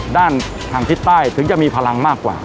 ด้านทางทิศใต้ถึงจะมีพลังมากกว่า